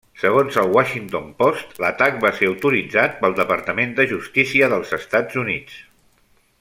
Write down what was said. Segons el Washington Post, l'atac va ser autoritzat pel Departament de Justícia dels Estats Units.